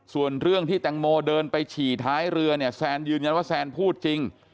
ส่วนเรื่องที่แตงโมเดินไปฉี่ท้ายเรือเนี่ยแซนยืนยันว่าแซนพูดจริง